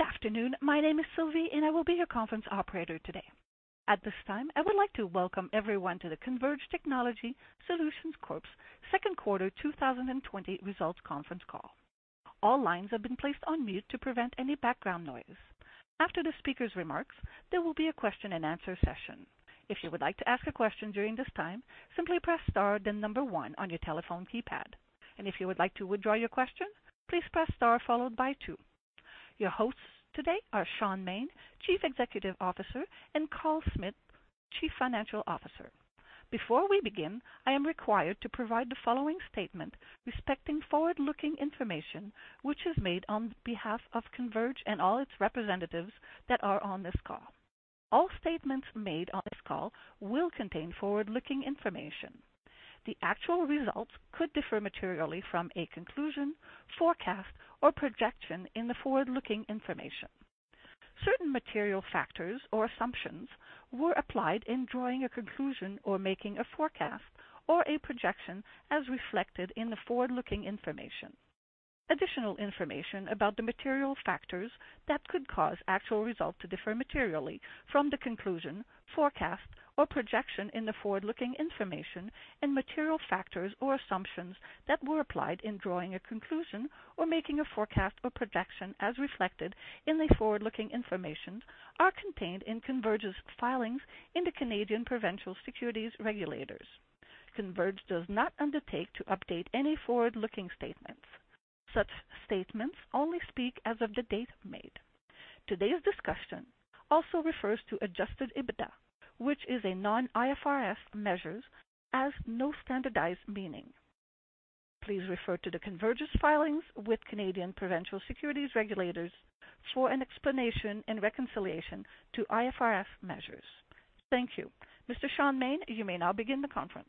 Good afternoon. My name is Sylvie, and I will be your conference operator today. At this time, I would like to welcome everyone to the Converge Technology Solutions Corp's second quarter 2020 results conference call. All lines have been placed on mute to prevent any background noise. After the speaker's remarks, there will be a question and answer session. If you would like to ask a question during this time, simply press star then number one on your telephone keypad. If you would like to withdraw your question, please press star followed by two. Your hosts today are Shaun Maine, Chief Executive Officer, and Carl Smith, Chief Financial Officer. Before we begin, I am required to provide the following statement respecting forward-looking information, which is made on behalf of Converge and all its representatives that are on this call. All statements made on this call will contain forward-looking information. The actual results could differ materially from a conclusion, forecast, or projection in the forward-looking information. Certain material factors or assumptions were applied in drawing a conclusion or making a forecast or a projection as reflected in the forward-looking information. Additional information about the material factors that could cause actual results to differ materially from the conclusion, forecast, or projection in the forward-looking information and material factors or assumptions that were applied in drawing a conclusion or making a forecast or projection as reflected in the forward-looking information are contained in Converge's filings in the Canadian provincial securities regulators. Converge does not undertake to update any forward-looking statements. Such statements only speak as of the date made. Today's discussion also refers to adjusted EBITDA, which is a non-IFRS measure as no standardized meaning. Please refer to the Converge's filings with Canadian provincial securities regulators for an explanation and reconciliation to IFRS measures. Thank you. Mr. Shaun Maine, you may now begin the conference.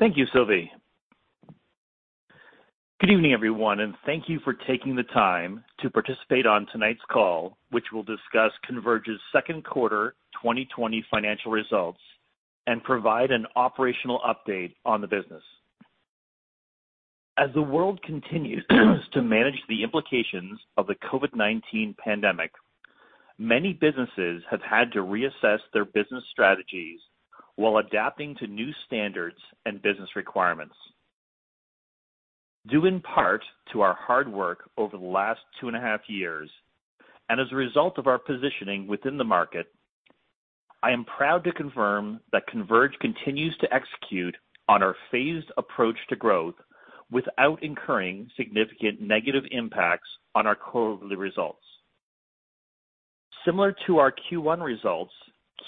Thank you, Sylvie. Good evening, everyone, and thank you for taking the time to participate on tonight's call, which will discuss Converge's second quarter 2020 financial results and provide an operational update on the business. As the world continues to manage the implications of the COVID-19 pandemic, many businesses have had to reassess their business strategies while adapting to new standards and business requirements. Due in part to our hard work over the last two and a half years, and as a result of our positioning within the market, I am proud to confirm that Converge continues to execute on our phased approach to growth without incurring significant negative impacts on our quarterly results. Similar to our Q1 results,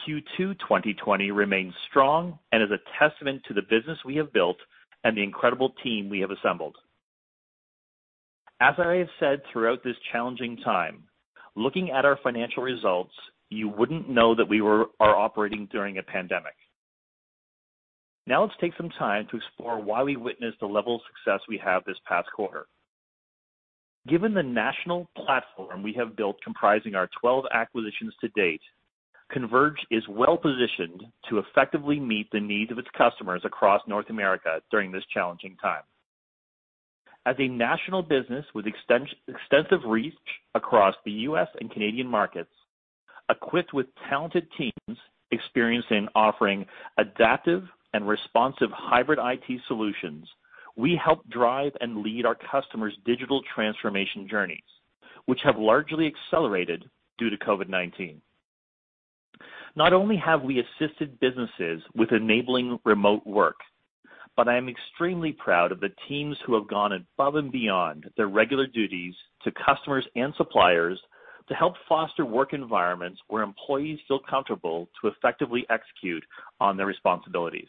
Q2 2020 remains strong and is a testament to the business we have built and the incredible team we have assembled. As I have said throughout this challenging time, looking at our financial results, you wouldn't know that we are operating during a pandemic. Now let's take some time to explore why we witnessed the level of success we have this past quarter. Given the national platform we have built comprising our 12 acquisitions to date, Converge is well-positioned to effectively meet the needs of its customers across North America during this challenging time. As a national business with extensive reach across the U.S. and Canadian markets, equipped with talented teams experienced in offering adaptive and responsive hybrid IT solutions, we help drive and lead our customers' digital transformation journeys, which have largely accelerated due to COVID-19. Not only have we assisted businesses with enabling remote work, I am extremely proud of the teams who have gone above and beyond their regular duties to customers and suppliers to help foster work environments where employees feel comfortable to effectively execute on their responsibilities.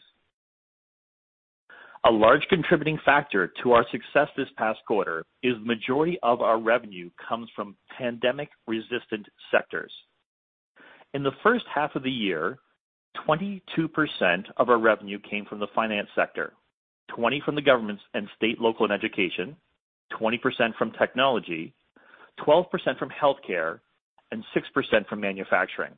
A large contributing factor to our success this past quarter is majority of our revenue comes from pandemic-resistant sectors. In the first half of the year, 22% of our revenue came from the finance sector, 20% from the governments and state, local, and education, 20% from technology, 12% from healthcare, and 6% from manufacturing.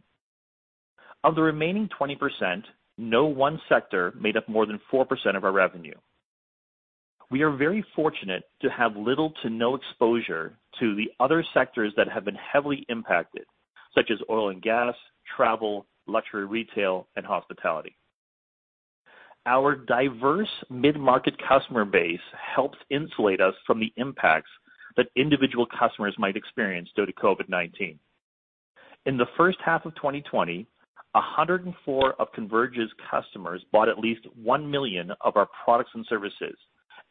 Of the remaining 20%, no one sector made up more than 4% of our revenue. We are very fortunate to have little to no exposure to the other sectors that have been heavily impacted, such as oil and gas, travel, luxury retail, and hospitality. Our diverse mid-market customer base helps insulate us from the impacts that individual customers might experience due to COVID-19. In the first half of 2020, 104 of Converge's customers bought at least 1 million of our products and services,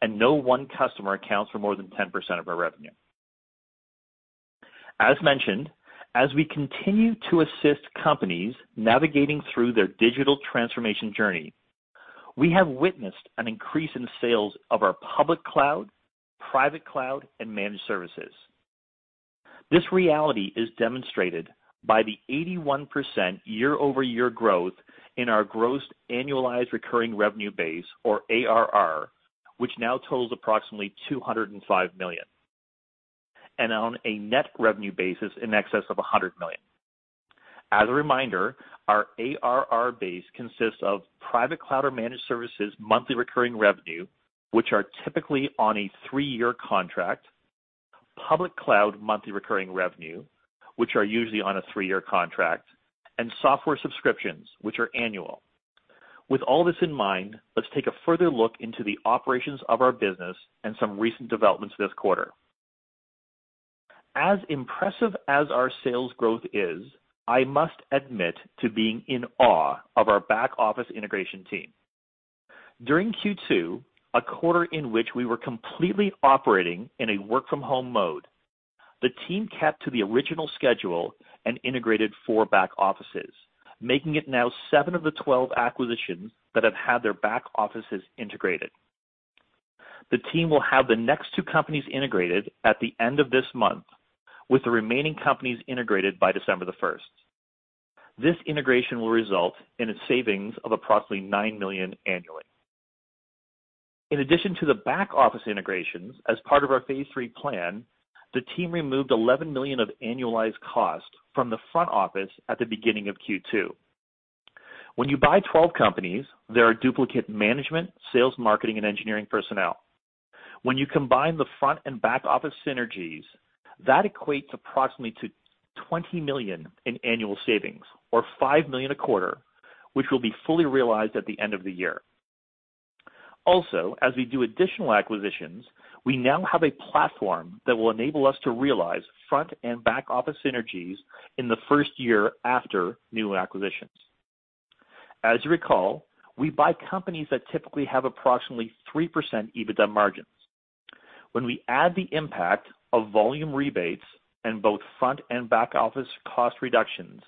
and no one customer accounts for more than 10% of our revenue. As mentioned, as we continue to assist companies navigating through their digital transformation journey, we have witnessed an increase in sales of our public cloud, private cloud, and managed services. This reality is demonstrated by the 81% year-over-year growth in our gross annualized recurring revenue base or ARR, which now totals approximately 205 million. On a net revenue basis in excess of 100 million. As a reminder, our ARR base consists of private cloud or managed services monthly recurring revenue, which are typically on a three-year contract, public cloud monthly recurring revenue, which are usually on a three-year contract, and software subscriptions, which are annual. With all this in mind, let's take a further look into the operations of our business and some recent developments this quarter. As impressive as our sales growth is, I must admit to being in awe of our back office integration team. During Q2, a quarter in which we were completely operating in a work-from-home mode, the team kept to the original schedule and integrated four back offices, making it now seven of the 12 acquisitions that have had their back offices integrated. The team will have the next two companies integrated at the end of this month, with the remaining companies integrated by December the 1st. This integration will result in a savings of approximately 9 million annually. In addition to the back-office integrations as part of our phase III plan, the team removed 11 million of annualized cost from the front office at the beginning of Q2. When you buy 12 companies, there are duplicate management, sales, marketing, and engineering personnel. When you combine the front and back office synergies, that equates approximately to 20 million in annual savings or 5 million a quarter, which will be fully realized at the end of the year. Also, as we do additional acquisitions, we now have a platform that will enable us to realize front and back office synergies in the first year after new acquisitions. As you recall, we buy companies that typically have approximately 3% EBITDA margins. When we add the impact of volume rebates in both front and back office cost reductions,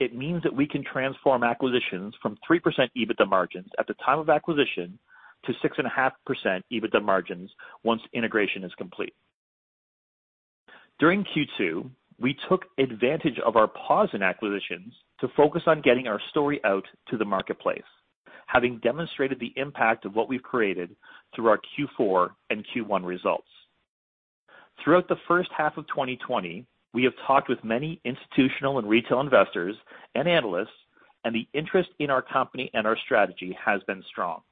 it means that we can transform acquisitions from 3% EBITDA margins at the time of acquisition to 6.5% EBITDA margins once integration is complete. During Q2, we took advantage of our pause in acquisitions to focus on getting our story out to the marketplace, having demonstrated the impact of what we've created through our Q4 and Q1 results. Throughout the first half of 2020, we have talked with many institutional and retail investors and analysts, and the interest in our company and our strategy has been strong.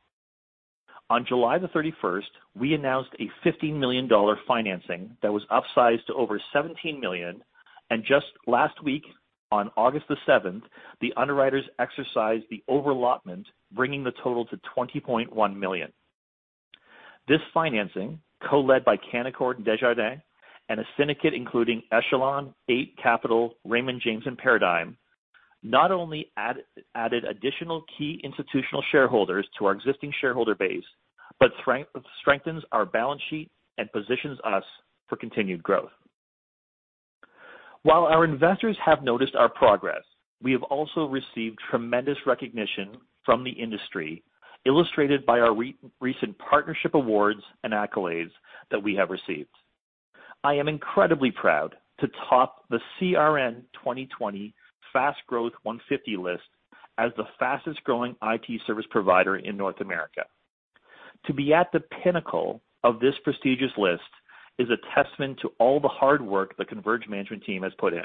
On July the 31st, we announced a 15 million dollar financing that was upsized to over 17 million, and just last week on August the 7th, the underwriters exercised the over allotment, bringing the total to 20.1 million. This financing, co-led by Canaccord Desjardins and a syndicate including Echelon, Eight Capital, Raymond James, and Paradigm, not only added additional key institutional shareholders to our existing shareholder base, but strengthens our balance sheet and positions us for continued growth. While our investors have noticed our progress, we have also received tremendous recognition from the industry, illustrated by our recent partnership awards and accolades that we have received. I am incredibly proud to top the CRN 2020 Fast Growth 150 list as the fastest-growing IT service provider in North America. To be at the pinnacle of this prestigious list is a testament to all the hard work the Converge management team has put in.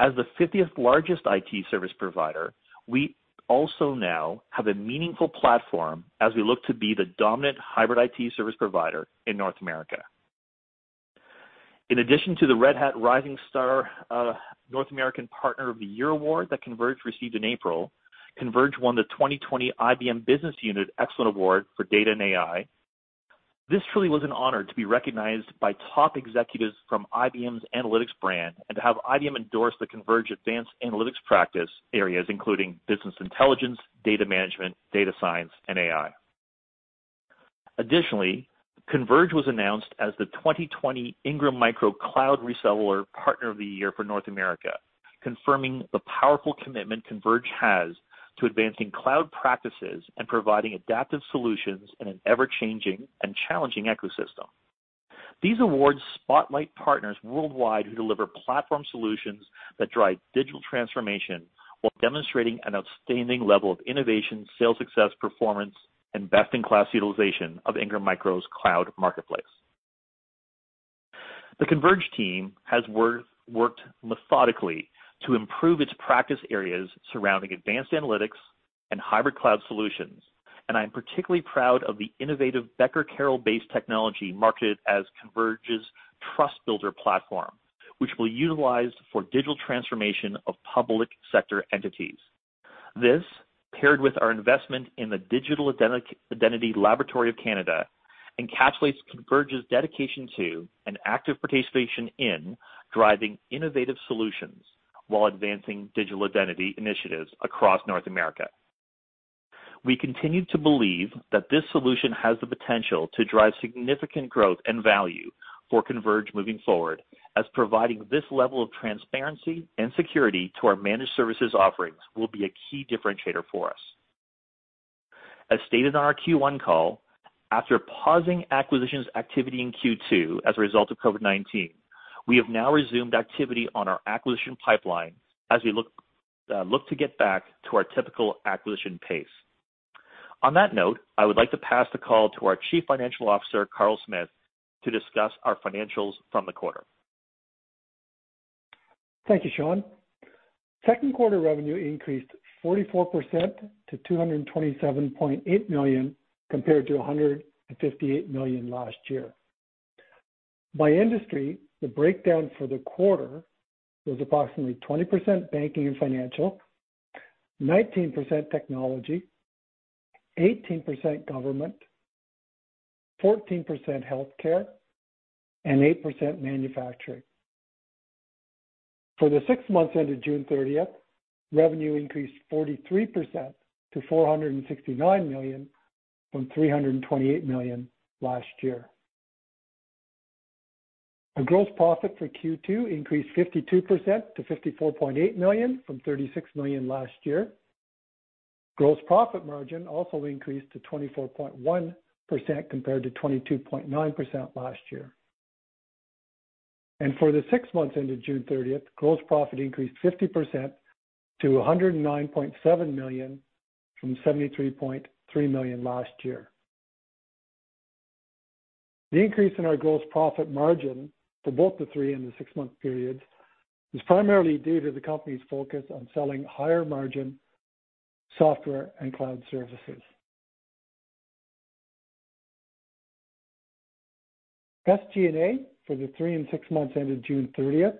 As the 50th largest IT service provider, we also now have a meaningful platform as we look to be the dominant hybrid IT service provider in North America. In addition to the Red Hat Rising Star, North American Partner of the Year Award that Converge received in April, Converge won the 2020 IBM Business Unit Excellence Award for Data and AI. This truly was an honor to be recognized by top executives from IBM's analytics brand and to have IBM endorse the Converge advanced analytics practice areas including business intelligence, data management, data science, and AI. Additionally, Converge was announced as the 2020 Ingram Micro Cloud Reseller Partner of the Year for North America, confirming the powerful commitment Converge has to advancing cloud practices and providing adaptive solutions in an ever-changing and challenging ecosystem. These awards spotlight partners worldwide who deliver platform solutions that drive digital transformation while demonstrating an outstanding level of innovation, sales success, performance, and best-in-class utilization of Ingram Micro's cloud marketplace. The Converge team has worked methodically to improve its practice areas surrounding advanced analytics and hybrid cloud solutions, and I am particularly proud of the innovative Becker-Carroll-based technology marketed as Converge's TrustBuilder platform, which we utilize for digital transformation of public sector entities. This, paired with our investment in the Digital Identity Laboratory of Canada, encapsulates Converge's dedication to an active participation in driving innovative solutions while advancing digital identity initiatives across North America. We continue to believe that this solution has the potential to drive significant growth and value for Converge moving forward, as providing this level of transparency and security to our managed services offerings will be a key differentiator for us. As stated on our Q1 call, after pausing acquisitions activity in Q2 as a result of COVID-19, we have now resumed activity on our acquisition pipeline as we look to get back to our typical acquisition pace. On that note, I would like to pass the call to our Chief Financial Officer, Carl Smith, to discuss our financials from the quarter. Thank you, Shaun. Second quarter revenue increased 44% to 227.8 million, compared to 158 million last year. By industry, the breakdown for the quarter was approximately 20% banking and financial, 19% technology, 18% government, 14% healthcare, and 8% manufacturing. For the six months ended June 30th, revenue increased 43% to 469 million from 328 million last year. Our gross profit for Q2 increased 52% to 54.8 million from 36 million last year. Gross profit margin also increased to 24.1% compared to 22.9% last year. For the six months ended June 30th, gross profit increased 50% to 109.7 million from 73.3 million last year. The increase in our gross profit margin for both the three and the six-month periods is primarily due to the company's focus on selling higher margin software and cloud services. SG&A for the 3 and 6 months ended June 30th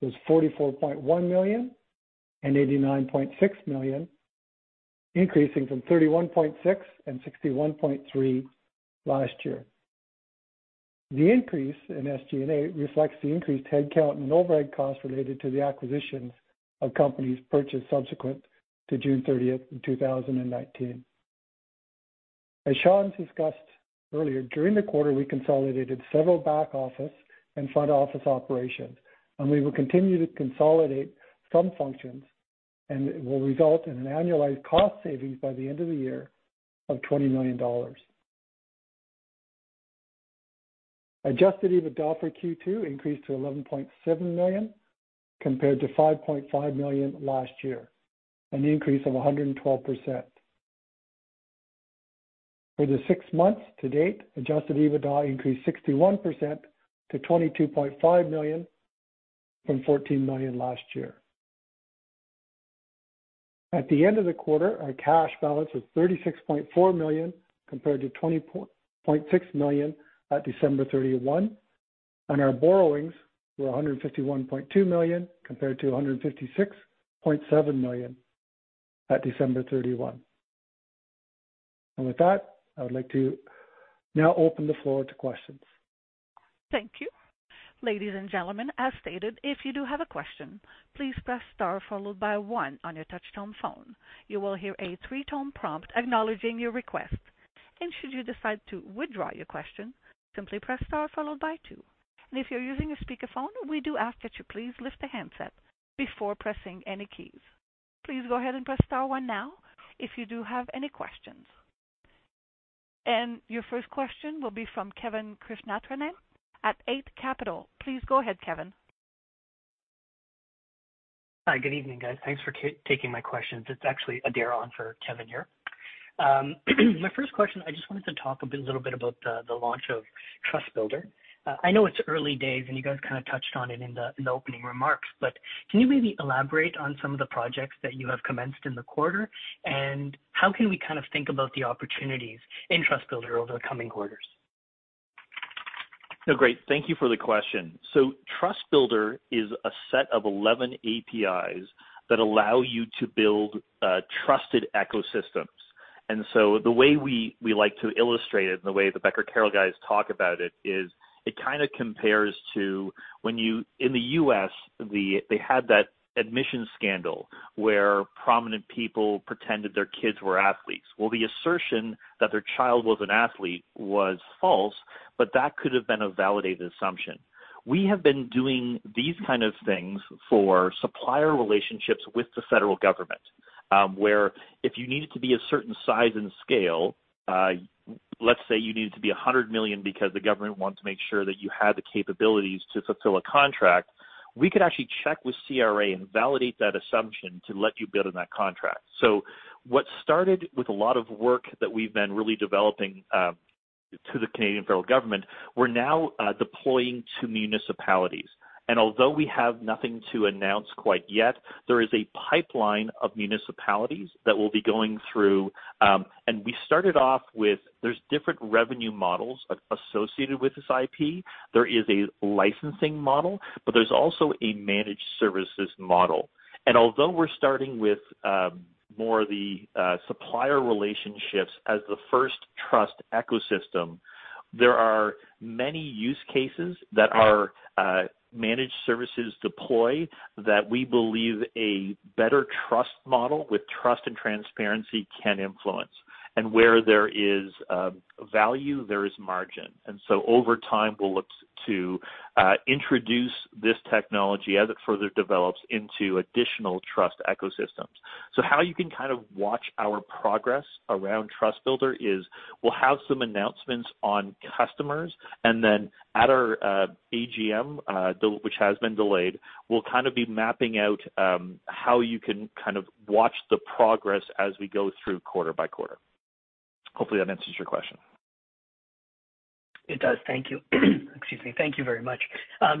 was 44.1 million and 89.6 million, increasing from 31.6 million and 61.3 million last year. The increase in SG&A reflects the increased headcount and overhead costs related to the acquisition of companies purchased subsequent to June 30th, 2019. As Shaun discussed earlier, during the quarter, we consolidated several back-office and front-office operations, and we will continue to consolidate some functions, and it will result in an annualized cost savings by the end of the year of 20 million dollars. Adjusted EBITDA for Q2 increased to 11.7 million, compared to 5.5 million last year, an increase of 112%. For the 6 months to date, adjusted EBITDA increased 61% to 22.5 million from 14 million last year. At the end of the quarter, our cash balance was 36.4 million compared to 20.6 million at December 31st, and our borrowings were 151.2 million compared to 156.7 million at December 31st. With that, I would like to now open the floor to questions. Thank you. Ladies and gentlemen, as stated, if you do have a question, please press star followed by one on your touch-tone phone. You will hear a three-tone prompt acknowledging your request. Should you decide to withdraw your question, simply press star followed by two. If you're using a speakerphone, we do ask that you please lift the handset before pressing any keys. Please go ahead and press star one now if you do have any questions. Your first question will be from Kevin Krishnaratne at Eight Capital. Please go ahead, Kevin. Hi. Good evening, guys. Thanks for taking my questions. It's actually Adair on for Kevin here. My first question, I just wanted to talk a little bit about the launch of TrustBuilder. I know it's early days, and you guys kind of touched on it in the opening remarks, but can you maybe elaborate on some of the projects that you have commenced in the quarter, and how can we kind of think about the opportunities in TrustBuilder over the coming quarters? No, great. Thank you for the question. TrustBuilder is a set of 11 APIs that allow you to build trusted ecosystems. The way we like to illustrate it and the way the Becker-Carroll guys talk about it is it kind of compares to when you in the U.S., they had that admissions scandal where prominent people pretended their kids were athletes. The assertion that their child was an athlete was false, but that could have been a validated assumption. We have been doing these kind of things for supplier relationships with the federal government, where if you needed to be a certain size and scale, let's say you needed to be 100 million because the government wanted to make sure that you had the capabilities to fulfill a contract, we could actually check with CRA and validate that assumption to let you bid on that contract. What started with a lot of work that we've been really developing to the Canadian federal government, we're now deploying to municipalities. Although we have nothing to announce quite yet, there is a pipeline of municipalities that we'll be going through. We started off with there's different revenue models associated with this IP. There is a licensing model, but there's also a managed services model. Although we're starting with more of the supplier relationships as the first trust ecosystem, there are many use cases that are managed services deploy that we believe a better trust model with trust and transparency can influence. Where there is value, there is margin. Over time, we'll look to introduce this technology as it further develops into additional trust ecosystems. How you can kind of watch our progress around TrustBuilder is we'll have some announcements on customers, and then at our AGM, which has been delayed, we'll kind of be mapping out how you can kind of watch the progress as we go through quarter by quarter. Hopefully, that answers your question. It does. Thank you. Excuse me. Thank you very much.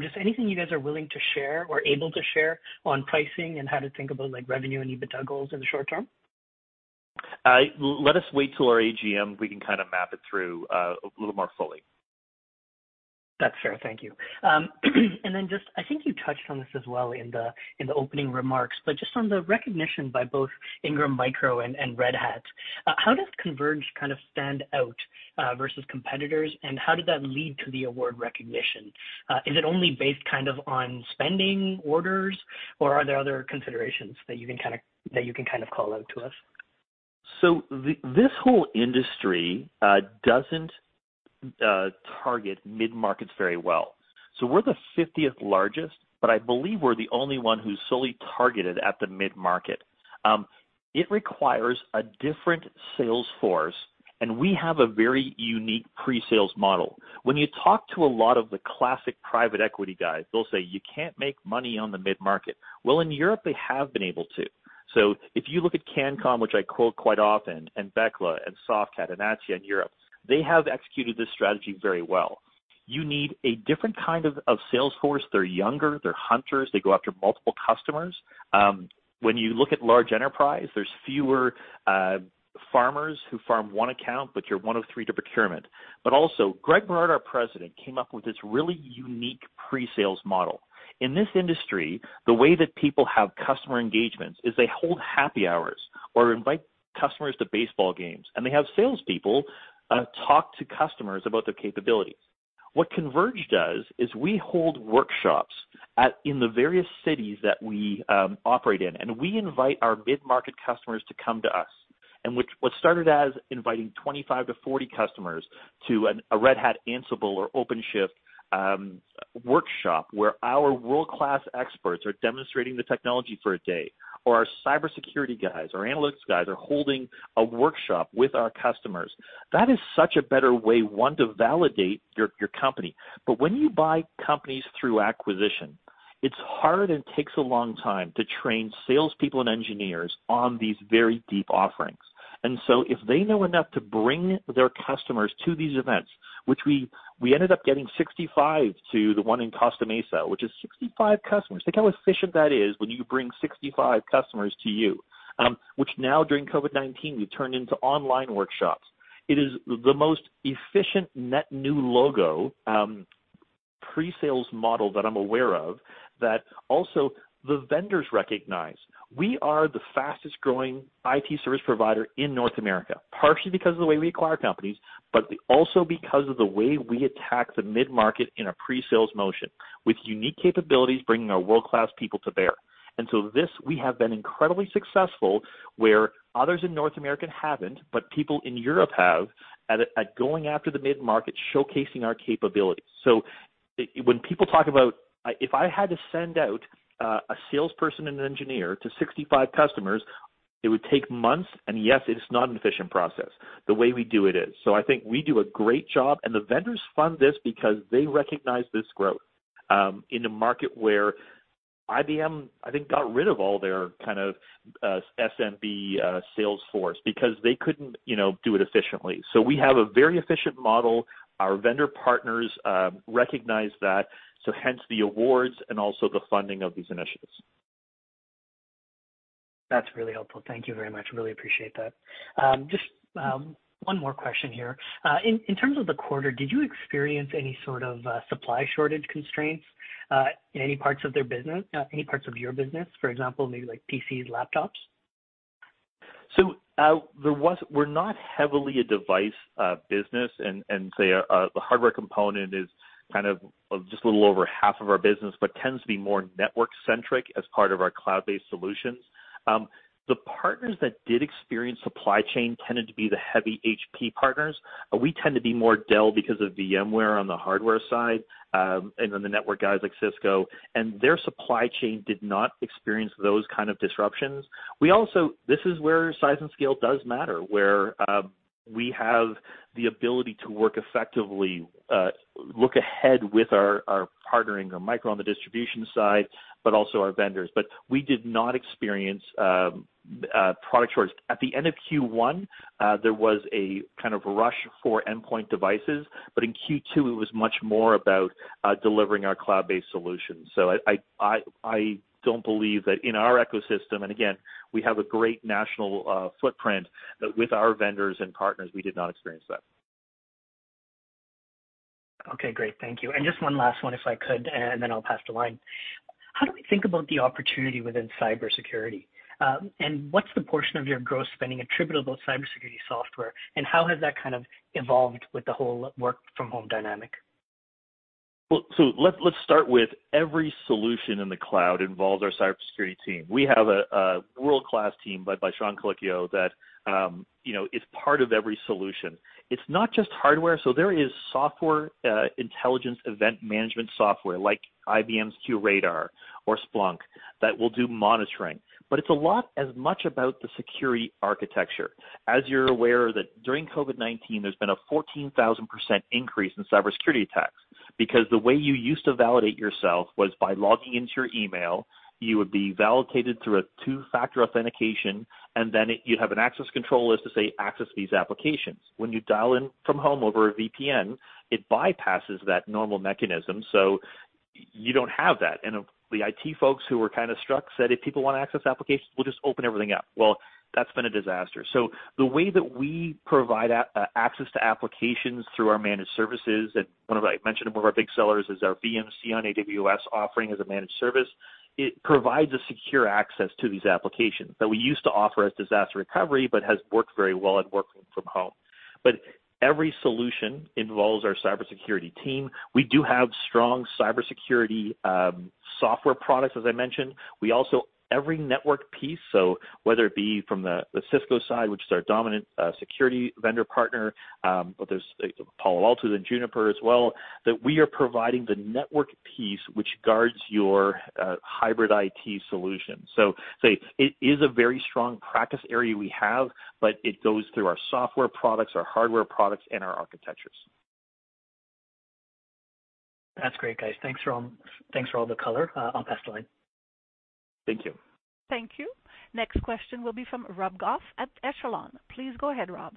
Just anything you guys are willing to share or able to share on pricing and how to think about revenue and EBITDA goals in the short term? Let us wait till our AGM. We can kind of map it through a little more fully. That's fair. Thank you. Then just, I think you touched on this as well in the opening remarks, but just on the recognition by both Ingram Micro and Red Hat, how does Converge kind of stand out versus competitors, and how did that lead to the award recognition? Is it only based on spending orders, or are there other considerations that you can kind of call out to us? This whole industry doesn't target mid-market very well. We're the 50th largest, but I believe we're the only one who's solely targeted at the mid-market. It requires a different sales force, and we have a very unique pre-sales model. When you talk to a lot of the classic private equity guys, they'll say, "You can't make money on the mid-market." Well, in Europe, they have been able to. If you look at Cancom, which I quote quite often, and Bechtle, and Softcat, and Atos in Europe, they have executed this strategy very well. You need a different kind of sales force. They're younger, they're hunters. They go after multiple customers. When you look at large enterprise, there's fewer farmers who farm one account, but you're one of three to procurement. Also, Greg Berard, our President, came up with this really unique pre-sales model. In this industry, the way that people have customer engagements is they hold happy hours or invite customers to baseball games. They have salespeople talk to customers about their capability. What Converge does is we hold workshops in the various cities that we operate in. We invite our mid-market customers to come to us. What started as inviting 25-40 customers to a Red Hat Ansible or OpenShift workshop where our world-class experts are demonstrating the technology for a day, or our cybersecurity guys, our analytics guys are holding a workshop with our customers. That is such a better way, one, to validate your company. When you buy companies through acquisition, it's hard and takes a long time to train salespeople and engineers on these very deep offerings. If they know enough to bring their customers to these events, which we ended up getting 65 to the one in Costa Mesa, which is 65 customers. Think how efficient that is when you bring 65 customers to you, which now, during COVID-19, we've turned into online workshops. It is the most efficient net new logo pre-sales model that I'm aware of that also the vendors recognize. We are the fastest-growing IT service provider in North America, partially because of the way we acquire companies, but also because of the way we attack the mid-market in a pre-sales motion with unique capabilities, bringing our world-class people to bear. This, we have been incredibly successful where others in North America haven't, but people in Europe have, at going after the mid-market, showcasing our capabilities. When people talk about if I had to send out a salesperson and an engineer to 65 customers, it would take months, and yes, it is not an efficient process. The way we do it is. I think we do a great job, and the vendors fund this because they recognize this growth in a market where IBM, I think, got rid of all their kind of SMB sales force because they couldn't do it efficiently. Our vendor partners recognize that, so hence the awards and also the funding of these initiatives. That's really helpful. Thank you very much. Really appreciate that. Just one more question here. In terms of the quarter, did you experience any sort of supply shortage constraints in any parts of your business, for example, maybe like PCs, laptops? We're not heavily a device business and say, the hardware component is kind of just a little over half of our business, but tends to be more network-centric as part of our cloud-based solutions. The partners that did experience supply chain tended to be the heavy HP partners. We tend to be more Dell because of VMware on the hardware side, and then the network guys like Cisco, and their supply chain did not experience those kind of disruptions. This is where size and scale does matter, where we have the ability to work effectively, look ahead with our partnering with Micro on the distribution side, but also our vendors. We did not experience product shortage. At the end of Q1, there was a kind of rush for endpoint devices. In Q2, it was much more about delivering our cloud-based solutions. I don't believe that in our ecosystem, and again, we have a great national footprint with our vendors and partners, we did not experience that. Okay, great. Thank you. Just one last one, if I could, and then I'll pass to line. How do we think about the opportunity within cybersecurity? What's the portion of your gross spending attributable to cybersecurity software, and how has that kind of evolved with the whole work-from-home dynamic? Let's start with every solution in the cloud involves our cybersecurity team. We have a world-class team led by Shaun Colicchio that is part of every solution. It's not just hardware. There is security information and event management software like IBM's QRadar or Splunk that will do monitoring. It's a lot as much about the security architecture. As you're aware that during COVID-19, there's been a 14,000% increase in cybersecurity attacks. Because the way you used to validate yourself was by logging into your email, you would be validated through a two-factor authentication, and then you'd have an access control list to say, "Access these applications." When you dial in from home over a VPN, it bypasses that normal mechanism, so you don't have that. The IT folks who were kind of struck said, "If people want to access applications, we'll just open everything up." That's been a disaster. The way that we provide access to applications through our managed services, and one of, I mentioned, one of our big sellers is our VMC on AWS offering as a managed service. It provides a secure access to these applications that we used to offer as disaster recovery, but has worked very well at working from home. Every solution involves our cybersecurity team. We do have strong cybersecurity software products, as I mentioned. We also, every network piece, whether it be from the Cisco side, which is our dominant security vendor partner, but there's Palo Alto and Juniper as well, that we are providing the network piece which guards your hybrid IT solution. It is a very strong practice area we have, but it goes through our software products, our hardware products, and our architectures. That's great, guys. Thanks for all the color. I'll pass the line. Thank you. Thank you. Next question will be from Rob Goff at Echelon. Please go ahead, Rob.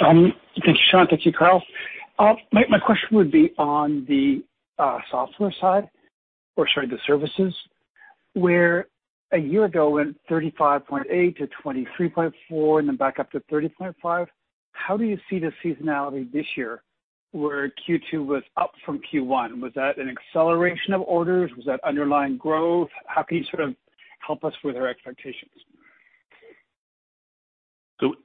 Thank you, Shaun. Thank you, Carl. My question would be on the software side, or sorry, the services, where a year ago went 35.8-23.4 and then back up to 30.5. How do you see the seasonality this year where Q2 was up from Q1? Was that an acceleration of orders? Was that underlying growth? How can you sort of help us with our expectations?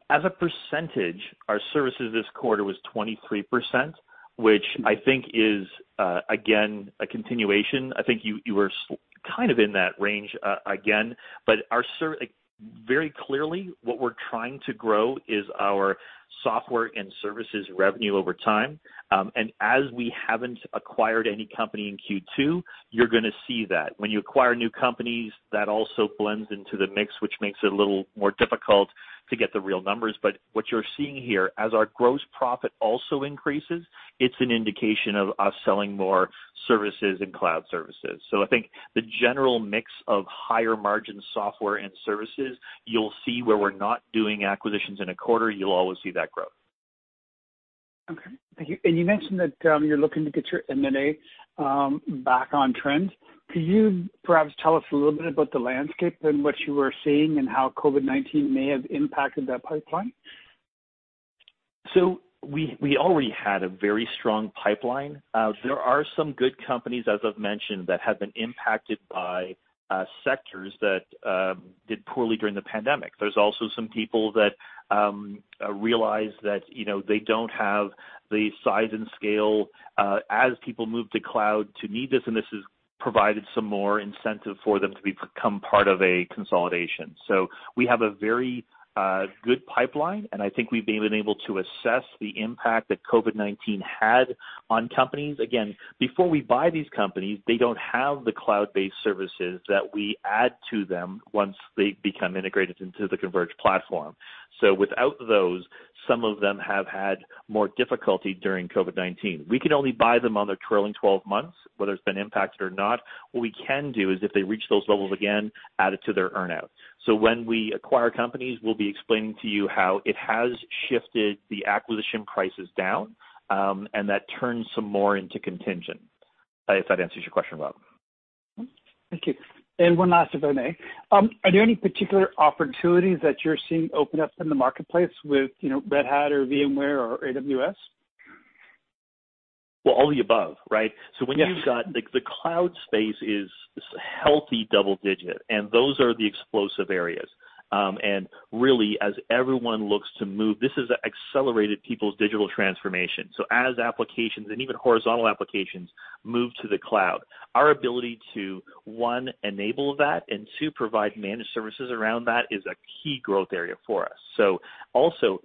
As a percentage, our services this quarter was 23%, which I think is, again, a continuation. I think you were kind of in that range again. Very clearly what we're trying to grow is our software and services revenue over time. As we haven't acquired any company in Q2, you're going to see that. When you acquire new companies, that also blends into the mix, which makes it a little more difficult to get the real numbers. What you're seeing here, as our gross profit also increases, it's an indication of us selling more services and cloud services. I think the general mix of higher margin software and services, you'll see where we're not doing acquisitions in a quarter, you'll always see that growth. Okay. Thank you. You mentioned that you're looking to get your M&A back on trend. Could you perhaps tell us a little bit about the landscape and what you were seeing and how COVID-19 may have impacted that pipeline? We already had a very strong pipeline. There are some good companies, as I've mentioned, that have been impacted by sectors that did poorly during the pandemic. There's also some people that realize that they don't have the size and scale as people move to cloud to need this, and this has provided some more incentive for them to become part of a consolidation. We have a very good pipeline, and I think we've been able to assess the impact that COVID-19 had on companies. Again, before we buy these companies, they don't have the cloud-based services that we add to them once they become integrated into the Converge platform. Without those, some of them have had more difficulty during COVID-19. We can only buy them on their trailing 12 months, whether it's been impacted or not. What we can do is if they reach those levels again, add it to their earn-out. When we acquire companies, we'll be explaining to you how it has shifted the acquisition prices down, and that turns some more into contingent. If that answers your question, Rob. Thank you. One last, if I may. Are there any particular opportunities that you're seeing open up in the marketplace with Red Hat or VMware or AWS? Well, all the above, right? Yes. When you've got the cloud space is healthy double-digit, and those are the explosive areas. Really as everyone looks to move, this has accelerated people's digital transformation. As applications and even horizontal applications move to the cloud, our ability to, one, enable that, and two, provide managed services around that is a key growth area for us. Also,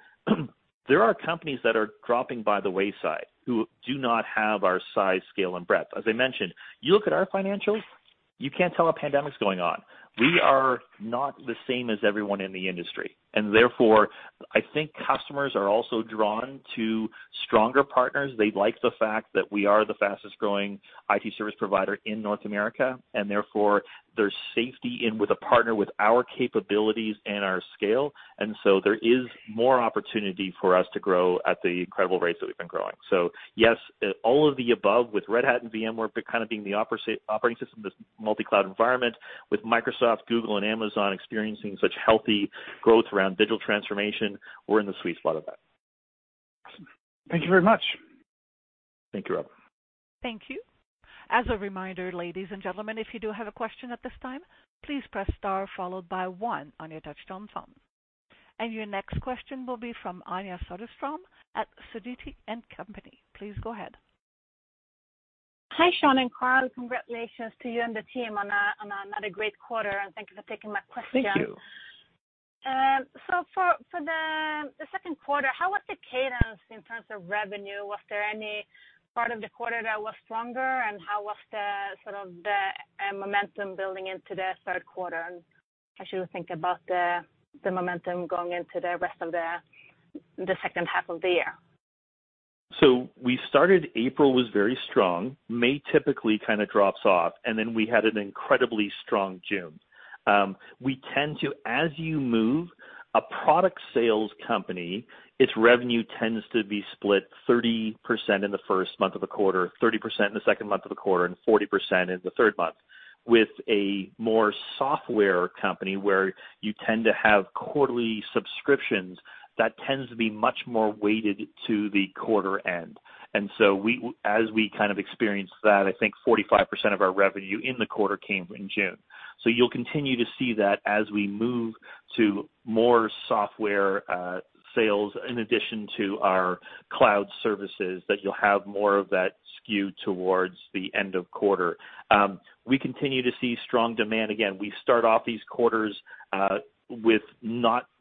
there are companies that are dropping by the wayside who do not have our size, scale, and breadth. As I mentioned, you look at our financials, you can't tell a pandemic's going on. We are not the same as everyone in the industry, and therefore, I think customers are also drawn to stronger partners. They like the fact that we are the fastest-growing IT service provider in North America, and therefore there's safety in with a partner with our capabilities and our scale. There is more opportunity for us to grow at the incredible rates that we've been growing. Yes, all of the above with Red Hat and VMware kind of being the operating system, this multi-cloud environment with Microsoft, Google, and Amazon experiencing such healthy growth around digital transformation. We're in the sweet spot of that. Awesome. Thank you very much. Thank you, Rob. Thank you. As a reminder, ladies and gentlemen, if you do have a question at this time, please press star followed by one on your touchtone phone. Your next question will be from Anja Soderstrom at Sidoti & Company. Please go ahead. Hi, Shaun and Carl. Congratulations to you and the team on another great quarter, and thank you for taking my question. Thank you. For the second quarter, how was the cadence in terms of revenue? Was there any part of the quarter that was stronger, and how was the sort of the momentum building into the third quarter? How should we think about the momentum going into the rest of the second half of the year? April was very strong. May typically kind of drops off, and then we had an incredibly strong June. As you move a product sales company, its revenue tends to be split 30% in the first month of the quarter, 30% in the second month of the quarter, and 40% in the third month. With a more software company where you tend to have quarterly subscriptions, that tends to be much more weighted to the quarter end. As we experienced that, I think 45% of our revenue in the quarter came in June. You'll continue to see that as we move to more software sales, in addition to our cloud services, that you'll have more of that skew towards the end of quarter. We continue to see strong demand. Again, we start off these quarters with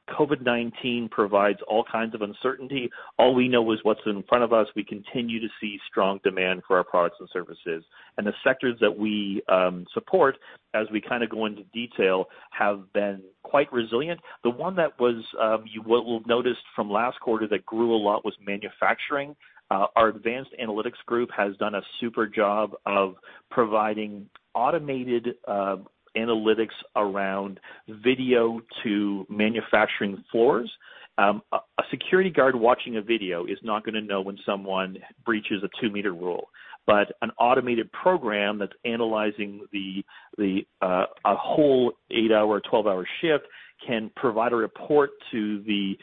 COVID-19 provides all kinds of uncertainty. All we know is what's in front of us. We continue to see strong demand for our products and services. The sectors that we support, as we go into detail, have been quite resilient. The one that you will have noticed from last quarter that grew a lot was manufacturing. Our advanced analytics group has done a super job of providing automated analytics around video to manufacturing floors. A security guard watching a video is not going to know when someone breaches a two-meter rule. An automated program that's analyzing a whole eight-hour or 12-hour shift can provide a report to the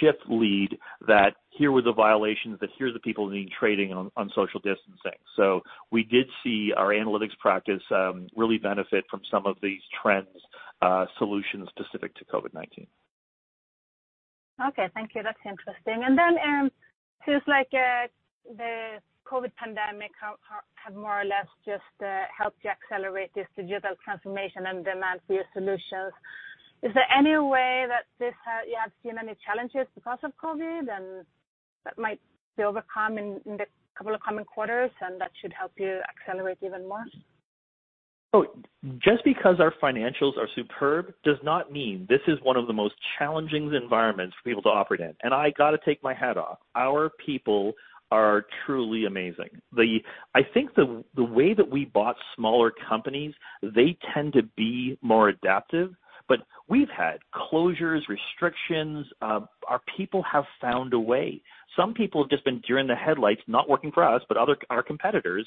shift lead that here were the violations, that here are the people who need training on social distancing. We did see our analytics practice really benefit from some of these trends, solutions specific to COVID-19. Okay. Thank you. That's interesting. It seems like the COVID pandemic have more or less just helped you accelerate this digital transformation and demand for your solutions. Is there any way that you have seen any challenges because of COVID, and that might be overcome in the couple of coming quarters, and that should help you accelerate even more? Just because our financials are superb does not mean this is one of the most challenging environments for people to operate in. I got to take my hat off. Our people are truly amazing. I think the way that we bought smaller companies, they tend to be more adaptive. We've had closures, restrictions. Our people have found a way. Some people have just been deer in the headlights, not working for us, but our competitors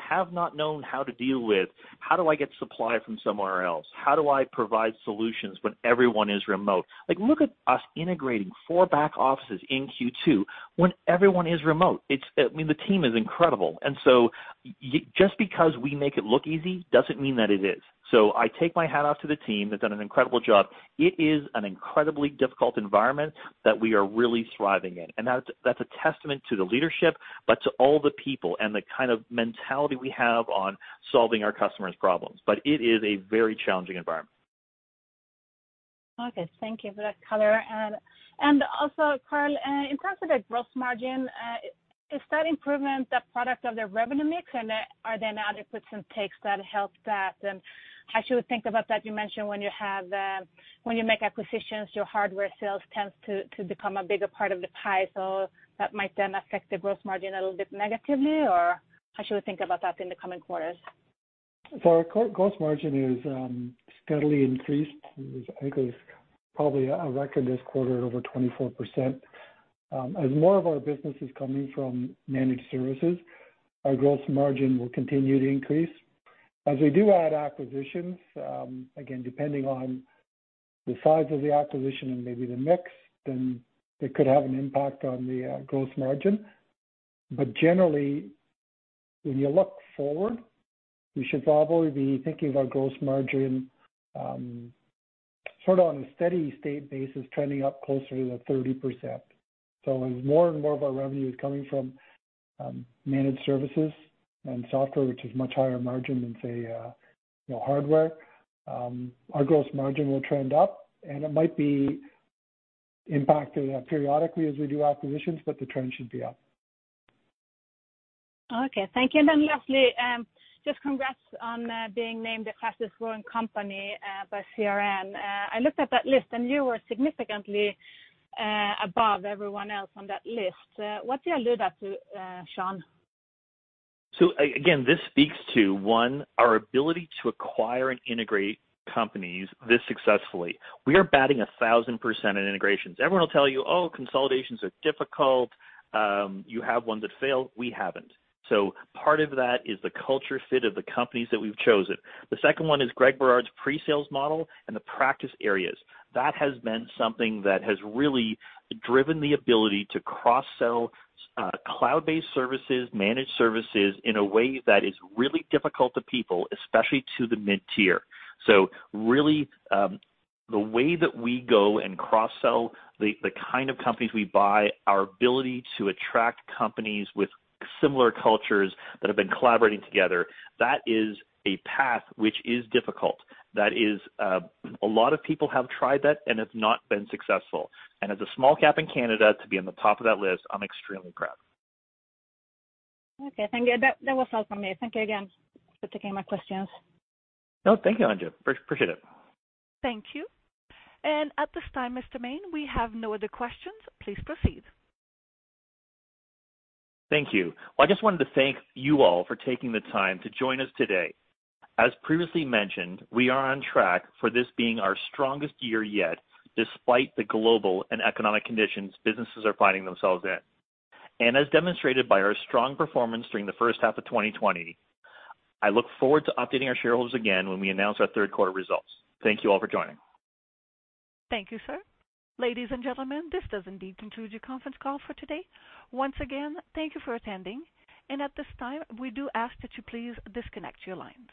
have not known how to deal with, how do I get supply from somewhere else? How do I provide solutions when everyone is remote? Look at us integrating four back offices in Q2 when everyone is remote. The team is incredible. Just because we make it look easy doesn't mean that it is. I take my hat off to the team. They've done an incredible job. It is an incredibly difficult environment that we are really thriving in. That's a testament to the leadership, but to all the people and the kind of mentality we have on solving our customers' problems. It is a very challenging environment. Okay. Thank you for that color. Also, Carl, in terms of the gross margin, is that improvement the product of the revenue mix? Are there now adequate some takes that help that? How should we think about that? You mentioned when you make acquisitions, your hardware sales tends to become a bigger part of the pie, so that might then affect the gross margin a little bit negatively, or how should we think about that in the coming quarters? Our gross margin is steadily increased. I think it was probably a record this quarter at over 24%. As more of our business is coming from managed services, our gross margin will continue to increase. As we do add acquisitions, again, depending on the size of the acquisition and maybe the mix, then it could have an impact on the gross margin. But generally, when you look forward, you should probably be thinking of our gross margin sort of on a steady-state basis trending up closer to the 30%. As more and more of our revenue is coming from managed services and software, which is much higher margin than, say, hardware, our gross margin will trend up, and it might be impacted periodically as we do acquisitions, but the trend should be up. Okay. Thank you. Lastly, just congrats on being named the fastest growing company by CRN. I looked at that list, you were significantly above everyone else on that list. What do you allude that to, Shaun? Again, this speaks to, one, our ability to acquire and integrate companies this successfully. We are batting 1,000% in integrations. Everyone will tell you, "Oh, consolidations are difficult. You have one that failed." We haven't. Part of that is the culture fit of the companies that we've chosen. The second one is Greg Berard's pre-sales model and the practice areas. That has been something that has really driven the ability to cross-sell cloud-based services, managed services in a way that is really difficult to people, especially to the mid-tier. Really, the way that we go and cross-sell the kind of companies we buy, our ability to attract companies with similar cultures that have been collaborating together, that is a path which is difficult. A lot of people have tried that and have not been successful. As a small cap in Canada, to be on the top of that list, I'm extremely proud. Okay. Thank you. That was all from me. Thank you again for taking my questions. No, thank you, Anja. Appreciate it. Thank you. At this time, Mr. Maine, we have no other questions. Please proceed. Thank you. Well, I just wanted to thank you all for taking the time to join us today. As previously mentioned, we are on track for this being our strongest year yet, despite the global and economic conditions businesses are finding themselves in. As demonstrated by our strong performance during the first half of 2020, I look forward to updating our shareholders again when we announce our third quarter results. Thank you all for joining. Thank you, sir. Ladies and gentlemen, this does indeed conclude your conference call for today. Once again, thank you for attending. At this time, we do ask that you please disconnect your lines.